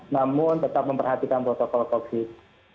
namun tetap memperhatikan protokol covid